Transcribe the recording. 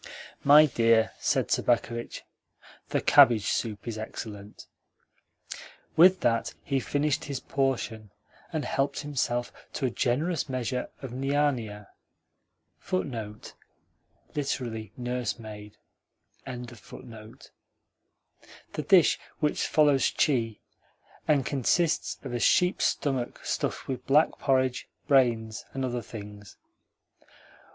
"My dear," said Sobakevitch, "the cabbage soup is excellent." With that he finished his portion, and helped himself to a generous measure of niania the dish which follows shtchi and consists of a sheep's stomach stuffed with black porridge, brains, and other things.